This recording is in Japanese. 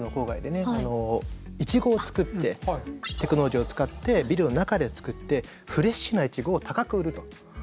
テクノロジーを使ってビルの中で作ってフレッシュなイチゴを高く売るということで。